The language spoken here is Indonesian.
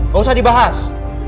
gak usah dibahas